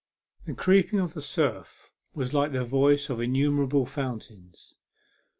The creeping of the surf was like the voice of innumerable fountains.